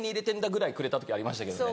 ぐらいくれた時ありましたけどね。